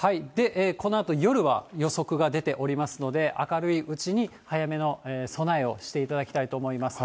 このあと夜は、予測が出ておりますので、明るいうちに、早めの備えをしていただきたいと思います。